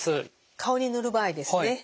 顔に塗る場合ですね